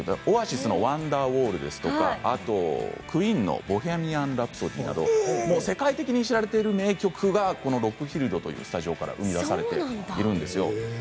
オアシスの「ワンダーウォール」とかクイーンの「ボヘミアン・ラプソディ」など世界的に知られている名曲がこのロックフィールドというスタジオから生み出されているんです。